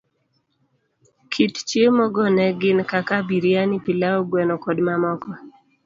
Kit chiemo go ne gin kaka biriani, pilau, gweno koda mamoko.